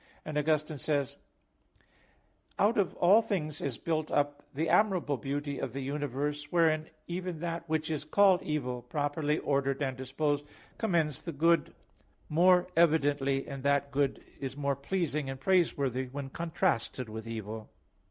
And Augustine says (Enchiridion 10, 11): "Out of all things is built up the admirable beauty of the universe, wherein even that which is called evil, properly ordered and disposed, commends the good more evidently in that good is more pleasing and praiseworthy when contrasted with evil."